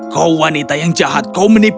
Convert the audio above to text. kau wanita yang jahat kau menipu aku